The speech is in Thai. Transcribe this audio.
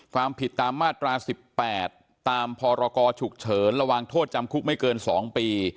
ความผิดตามมาตรา๑๘ตามพรกรฉุกเฉินระวังโทษจำคุกไม่เกิน๒ปี